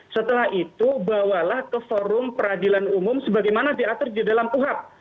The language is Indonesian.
setelah itu bawalah ke forum peradilan umum sebagaimana diatur di dalam kuhap